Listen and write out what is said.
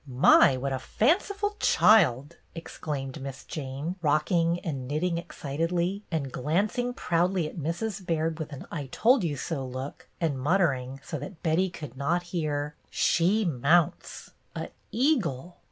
" My, what a fanciful child !" exclaimed Miss Jane, rocking and knitting excitedly, and glancing proudly at Mrs. Baird with an " I told you so !" look, and muttering, so that Betty could not hear, —" She mounts ! A eagle